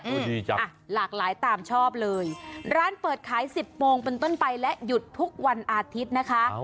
ดีจังอ่ะหลากหลายตามชอบเลยร้านเปิดขายสิบโมงเป็นต้นไปและหยุดทุกวันอาทิตย์นะคะ